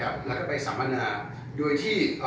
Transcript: รึกมากและไปสัมแ้งงานด้วยที่